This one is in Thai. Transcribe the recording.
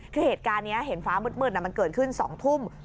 คือเหตุการณ์นี้เห็นฟ้ามืดมันเกิดขึ้น๒ทุ่ม